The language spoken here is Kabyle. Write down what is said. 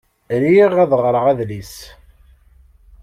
Riɣ ad ɣreɣ adlis.